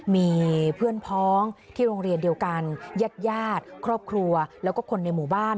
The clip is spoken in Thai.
มีเพื่อนพ้องที่โรงเรียนเดียวกันญาติญาติครอบครัวแล้วก็คนในหมู่บ้าน